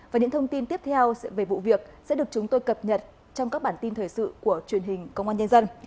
và những thông tin tiếp theo về vụ việc sẽ được chúng tôi cập nhật trong các bản tin thời sự của truyền hình công an nhân dân